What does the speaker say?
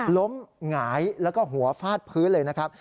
หงายแล้วก็หัวฟาดพื้นเลยนะครับ